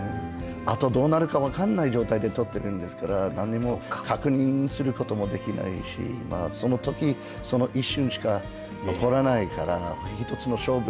あとどうなるか分らない状態で撮ってるんですから何も確認することもできないしそのときその一瞬しか残らないから１つの勝負。